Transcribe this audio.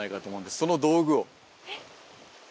その道具を。